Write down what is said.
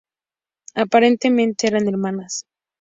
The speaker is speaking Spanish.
Aparentemente eran hermanas.